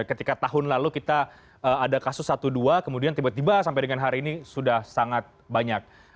ketika tahun lalu kita ada kasus satu dua kemudian tiba tiba sampai dengan hari ini sudah sangat banyak